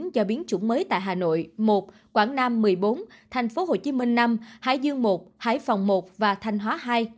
do biến chủng mới tại hà nội một quảng nam một mươi bốn tp hcm năm hải dương một hải phòng một và thanh hóa hai